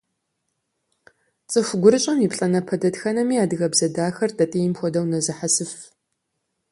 ЦӀыху гурыщӀэм и плӀанэпэ дэтхэнэми адыгэбзэ дахэр тӀатӀийм хуэдэу нэзыхьэсыф.